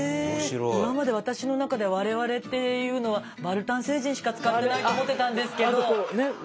今までわたしの中で「われわれ」っていうのはバルタン星人しか使ってないと思ってたんですけど。